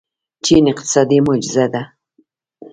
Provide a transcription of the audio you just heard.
چین اقتصادي معجزه ده.